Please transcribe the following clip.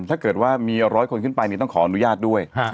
ถ้าเกิดว่ามี๑๐๐คนขึ้นไปต้องขออนุญาตด้วย